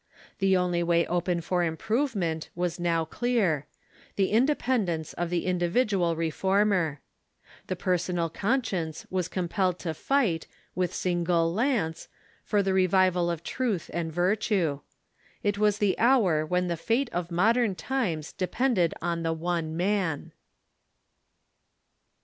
The only way open for improvement was now clear — the independence of the individual refoi mer. The personal conscience was com pelled to fight, with single lance, for the revival of truth and virtue. It was the hour when the fate of modern times de pended on the one man.